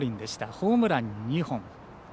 ホームラン２本。